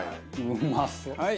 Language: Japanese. うまそう。